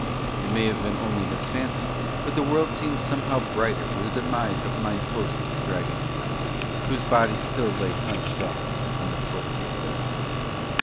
It may have been only his fancy but the world seemed somehow brighter for the demise of mine host of the Dragon and Knight, whose body still lay hunched up on the foot of his bed.